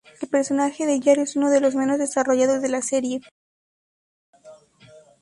El personaje de Yar es uno de los menos desarrollados de la serie.